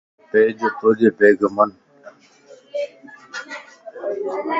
ايي پيج توجي بيگمن